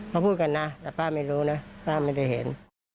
เขาพูดกันนะแต่ป้าไม่รู้นะป้าไม่ได้เห็น